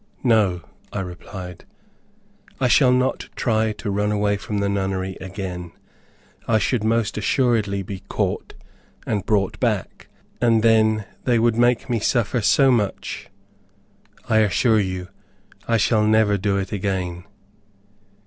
"No," I replied, "I shall not try to run away from the nunnery again. I should most assuredly be caught and brought back, and then they would make me suffer so much, I assure you I shall never do it again."